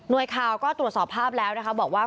นวยข่าวก็ตรวจสอบภาพแล้วบอกว่า